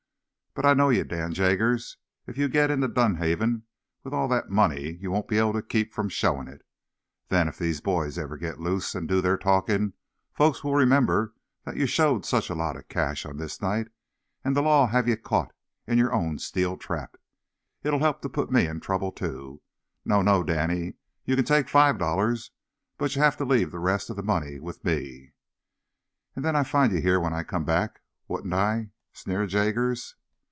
"But I know ye, Dan Jaggers. If ye git inter Dunhaven with all that money ye won't be able to keep from showin' it. Then, if these boys ever git loose, an' do their talkin', folks will remember that ye showed such a lot o' cash on this night, an' the law'll have you caught in yer own steel trap. It'd help to put me in trouble, too. No, no, Danny. Ye can take five dollars, but ye'll have t' leave the rest of the money with me." "An' then I'd find ye here when I came back, wouldn't I?" sneered Jaggers.